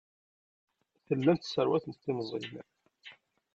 Tellam tesserwatem timẓin.